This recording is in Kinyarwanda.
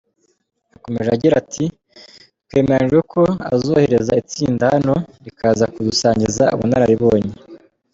Yakomeje agira ati “Twemeranyijwe ko azohereza itsinda hano rikaza kudusangiza ubunararibonye.